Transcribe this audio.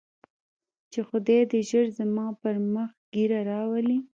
چې خداى دې ژر زما پر مخ ږيره راولي.